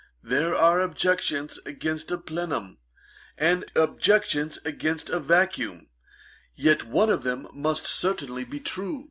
There are objections against a plenum, and objections against a vacuum; yet one of them must certainly be true.'